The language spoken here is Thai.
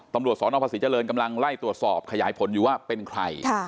ตำรวจสนภาษีเจริญกำลังไล่ตรวจสอบขยายผลอยู่ว่าเป็นใคร